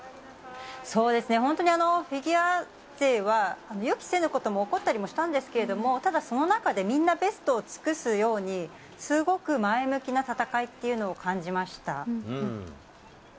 本当にフィギュア勢は、予期せぬことも起こったりしたんですけれども、ただ、その中でみんなベストを尽くすように、すごく前向きな戦いっていうのを感じました。